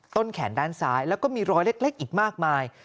ต้นแขนด้านซ้ายแล้วก็มีรอยเล็กอีกมากมาย